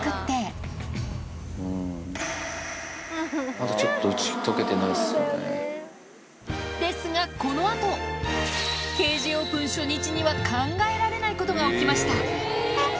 まだちょっと打ち解けてないですが、このあと、ケージオープン初日には考えられないことが起きました。